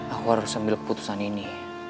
aku harus ambil keputusan ini